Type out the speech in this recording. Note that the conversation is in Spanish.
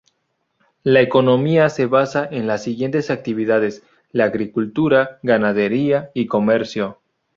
La economía se basa en las siguientes actividades: la agricultura, ganadería y comercio.